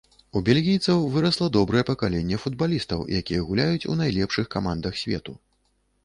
У бельгійцаў вырасла добрае пакаленне футбалістаў, якія гуляюць у найлепшых камандах свету.